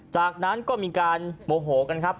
จากนั้นก็มีการโมโหกันครับ